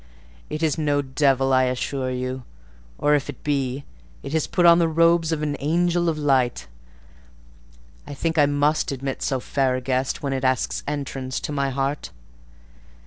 It is no devil, I assure you; or if it be, it has put on the robes of an angel of light. I think I must admit so fair a guest when it asks entrance to my heart."